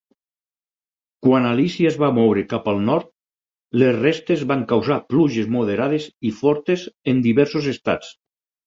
Quan Alícia es va moure cap al nord, les restes van causar pluges moderades i fortes en diversos estats.